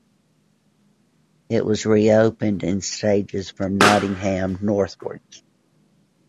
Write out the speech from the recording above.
It was reopened in stages from Nottingham northwards.